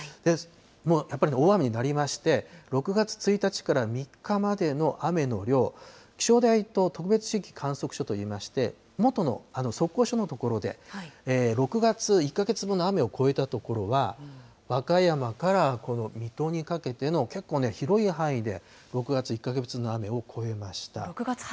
もうやっぱり、大雨になりまして、６月１日から３日までの雨の量、気象台と特別地域観測所といいまして、元の測候所の所で、６月、１か月分の雨を超えた所は、和歌山からこの水戸にかけての結構広い範囲で６月１か月分の雨を超えました。